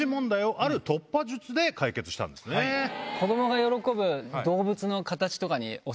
子供が喜ぶ。